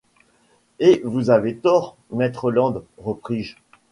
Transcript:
Et vous avez tort, maître Land, repris-je.